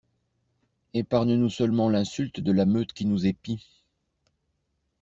Epargne-nous seulement l'insulte de la meute qui nous épie!